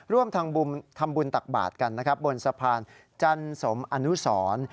ร่วมทางบุญทำบุญตักบาดกันบนสะพานจันสมอนุสรรค์